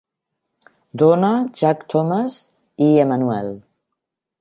Donna, Jack Thomas i Emmanuel.